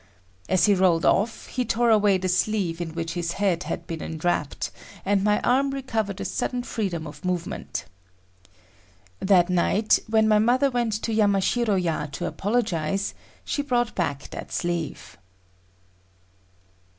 As he rolled off he tore away the sleeve in which his head had been enwrapped, and my arm recovered a sudden freedom of movement. That night when my mother went to Yamashiro ya to apologize, she brought back that sleeve.